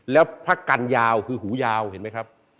แล้วพระกันยาวคือหูยาวเห็นไหมครับ